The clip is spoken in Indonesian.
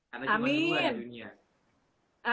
karena cuma kita di dunia